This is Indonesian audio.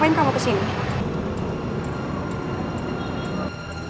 tapi kalau pambak bisa nerima lipstick pembantu